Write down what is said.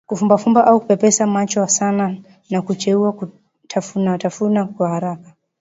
Kufumbafumba au kupepesa macho sana na kucheua kutafunatafuna kwa haraka